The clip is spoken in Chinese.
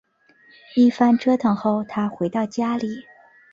一番折腾后她回到家里